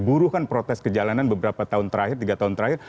buruh kan protes kejalanan beberapa tahun terakhir tiga tahun terakhir